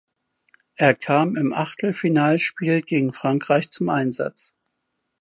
Er kam im Achtelfinalspiel gegen Frankreich zum Einsatz.